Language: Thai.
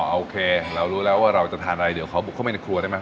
โอเคเรารู้แล้วว่าเราจะทานอะไรเดี๋ยวขอบุกเข้าไปในครัวได้ไหม